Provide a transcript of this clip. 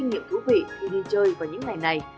cũng như những kinh nghiệm thú vị khi đi chơi vào những ngày này